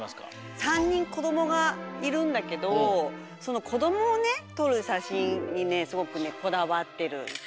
３にんこどもがいるんだけどそのこどもをねとるしゃしんにねすごくねこだわってる。